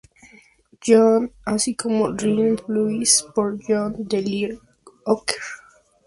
Johnson", así como "Rollin' Blues", por John Lee Hooker.